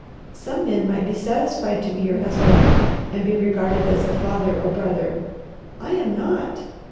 Some men might be satisfied to be your husband, and be regarded as a father or brother. I am not.